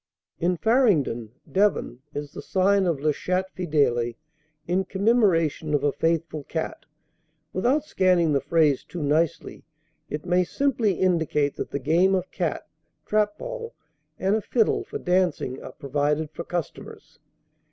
"In Farringdon (Devon) is the sign of 'La Chatte Fidèle,' in commemoration of a faithful cat. Without scanning the phrase too nicely, it may simply indicate that the game of cat (trap ball) and a fiddle for dancing are provided for customers."